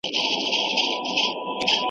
هره سجده مي پر تندي ده ستا په نوم .